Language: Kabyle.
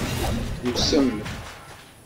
Nusem.